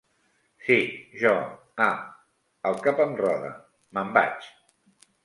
Sí, jo. Ah! El cap em roda! Me'n vaig.